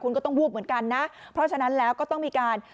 คุณก็ต้องวูบเหมือนกันนะเพราะฉะนั้นแล้วก็ต้องมีการ